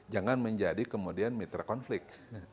jangan menjadi kemudian mitra konflik